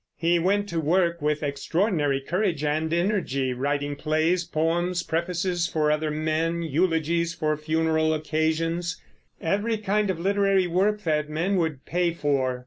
He went to work with extraordinary courage and energy, writing plays, poems, prefaces for other men, eulogies for funeral occasions, every kind of literary work that men would pay for.